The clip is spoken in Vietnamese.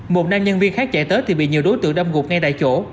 một nam nhân viên khác chạy tới thì bị nhiều đối tượng đâm gục ngay tại chỗ